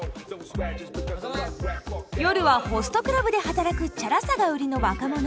夜はホストクラブで働くチャラさが売りの若者。